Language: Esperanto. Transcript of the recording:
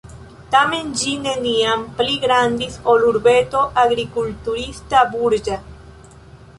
Tamen ĝi neniam pli grandis ol urbeto agrikulturista-burĝa.